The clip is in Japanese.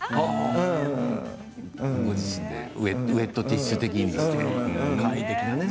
ご自身でウエットティッシュ的に。